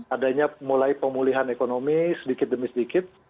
adanya mulai pemulihan ekonomi sedikit demi sedikit